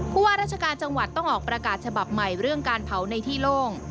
ว่าราชการจังหวัดต้องออกประกาศฉบับใหม่เรื่องการเผาในที่โล่ง